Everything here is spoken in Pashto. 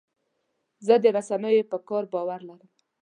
زه د رسنیو پر کار باور لرم.